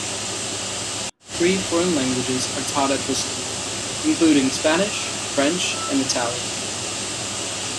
Three foreign languages are taught at the school, including Spanish, French and Italian.